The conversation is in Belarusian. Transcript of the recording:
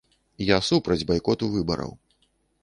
Я супраць байкоту выбараў.